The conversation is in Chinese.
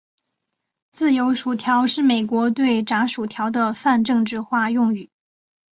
自由薯条是美国对炸薯条的泛政治化用语。